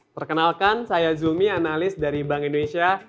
perkenalkan saya zumi analis dari bank indonesia